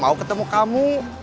mau ketemu kamu